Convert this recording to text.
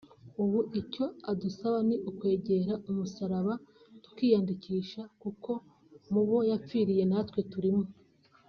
ubu icyo adusaba ni ukwegera umusaraba tukiyandikisha kuko mu bo yapfiriye natwe turimo